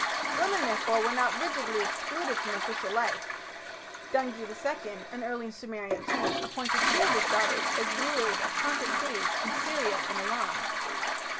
Women, therefore, were not rigidly excluded from official life. Dungi II, an early Sumerian king, appointed two of his daughters as rulers of conquered cities in Syria and Elam.